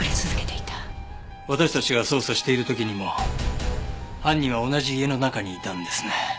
私たちが捜査している時にも犯人は同じ家の中にいたんですね。